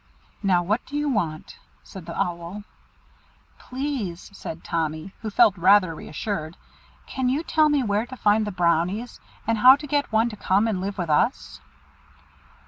"Now, what do you want?" said the Owl. "Please," said Tommy, who felt rather re assured, "can you tell me where to find the Brownies, and how to get one to come and live with us?"